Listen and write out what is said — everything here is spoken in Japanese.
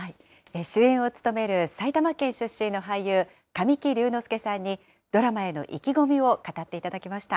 主演を務める埼玉県出身の俳優、神木隆之介さんに、ドラマへの意気込みを語っていただきました。